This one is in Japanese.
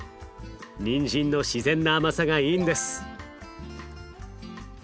にんじんの自然な甘さがいいんです。